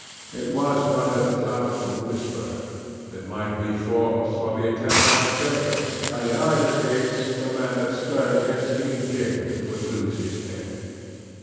It was but a doubtful whisper; it might be false or the attempt might fail, and in either case the man that stirred against King James would lose his head.